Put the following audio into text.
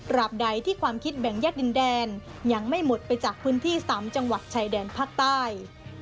บใดที่ความคิดแบ่งแยกดินแดนยังไม่หมดไปจากพื้นที่๓จังหวัดชายแดนภาคใต้